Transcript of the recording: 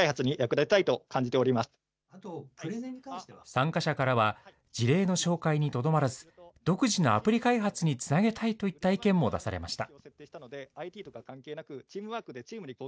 参加者からは、事例の紹介にとどまらず、独自のアプリ開発につなげたいといった意見も出されました。